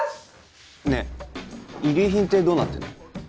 ねえ遺留品ってどうなってんの？